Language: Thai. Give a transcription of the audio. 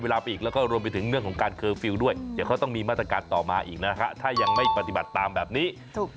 ไปอีกแล้วก็รวมไปถึงเรื่องของการเคอร์ฟิลล์ด้วยเดี๋ยวเขาต้องมีมาตรการต่อมาอีกนะฮะถ้ายังไม่ปฏิบัติตามแบบนี้